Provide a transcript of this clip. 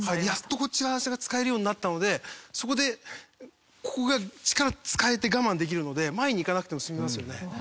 やっとこっち側の足が使えるようになったのでそこでここが力使えて我慢できるので前に行かなくても済みますよね。